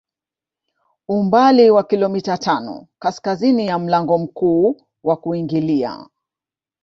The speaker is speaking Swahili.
Umbali wa kilomita tano kaskazini ya mlango mkuu wa kuingilia